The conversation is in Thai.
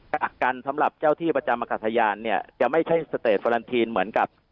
กักกันสำหรับเจ้าที่ประจำอากาศยานเนี่ยจะไม่ใช่สเตจฟอลันทีนเหมือนกับ